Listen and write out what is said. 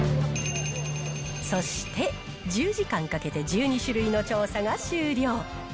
そして、１０時間かけて１２種類の調査が終了。